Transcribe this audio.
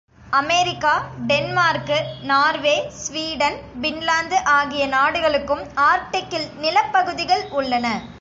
America, Denmark, Norway, Sweden, Finland ஆகிய நாடுகளுக்கும் ஆர்க்டிக்கில் நிலப் பகுதிகள் உள்ளன.